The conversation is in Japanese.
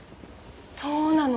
そうなの！